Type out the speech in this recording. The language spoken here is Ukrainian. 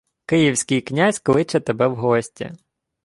— Київський князь кличе тебе в гості.